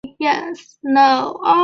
氟化汞溶于氢氟酸和稀硝酸。